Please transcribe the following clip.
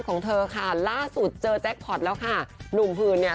ของเธอค่ะล่าสุดเจอแจ็คพอร์ตแล้วค่ะหนุ่มหืนเนี่ย